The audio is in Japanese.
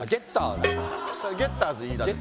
ゲッターズ飯田です。